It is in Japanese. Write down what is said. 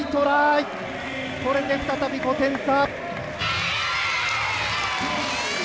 これで再び５点差。